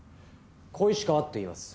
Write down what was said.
小石川っていいます。